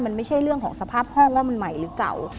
มันไม่ใช่เรื่องของสภาพห้องว่ามันใหม่หรือเก่า